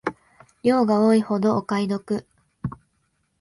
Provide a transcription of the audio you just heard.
量が多いほどお買い得